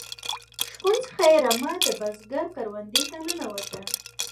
شپون څخه یې رمه د بزگر کروندې ته ننوته.